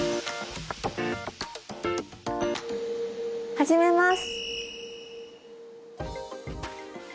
始めます。